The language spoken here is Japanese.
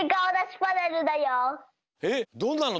えっどんなの？